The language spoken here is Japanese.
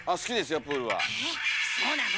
えぇっそうなの？